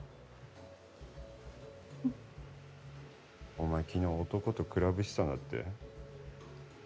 お前昨日男とクラブ行ってたんだって？